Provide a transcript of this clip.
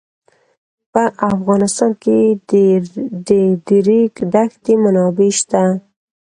په افغانستان کې د د ریګ دښتې منابع شته.